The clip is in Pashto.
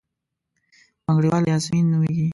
بنګړیواله یاسمین نومېږي.